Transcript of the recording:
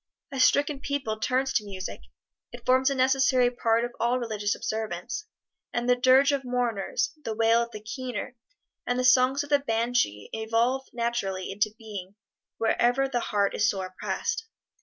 A stricken people turns to music; it forms a necessary part of all religious observance, and the dirge of mourners, the wail of the "keener," and the songs of the banshee evolve naturally into being wherever the heart is sore oppressed.